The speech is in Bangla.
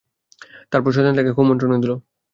তারপর শয়তান তাকে কুমন্ত্রণা দিল।